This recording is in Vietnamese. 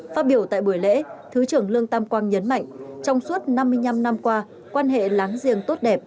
phát biểu tại buổi lễ thứ trưởng lương tam quang nhấn mạnh trong suốt năm mươi năm năm qua quan hệ láng giềng tốt đẹp